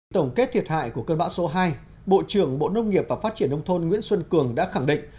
tổng kết thiệt hại của cơn bão số hai bộ trưởng bộ nông nghiệp và phát triển nông thôn nguyễn xuân cường đã khẳng định